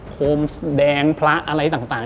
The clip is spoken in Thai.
โฮมแดงพระอะไรต่าง